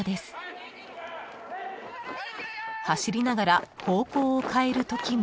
［走りながら方向を変えるときも］